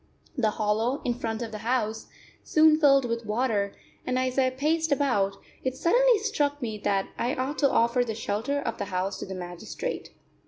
The hollow in front of the house soon filled with water, and as I paced about, it suddenly struck me that I ought to offer the shelter of the house to the magistrate.